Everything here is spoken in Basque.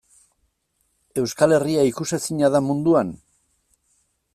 Euskal Herria ikusezina da munduan?